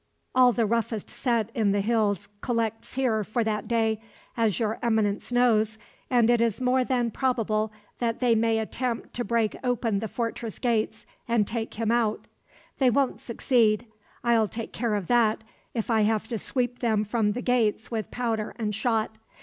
All the roughest set in the hills collects here for that day, as Your Eminence knows, and it is more than probable that they may attempt to break open the fortress gates and take him out. They won't succeed; I'll take care of that, if I have to sweep them from the gates with powder and shot.